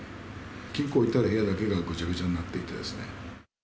金庫が置いてある部屋だけがぐちゃぐちゃになっていてですね。